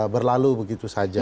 berlalu begitu saja